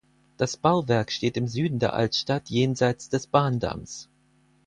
Das Bauwerk steht im Süden der Altstadt jenseits des Bahndamms.